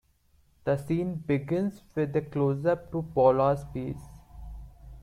The scene begins with a closeup to Paula's face.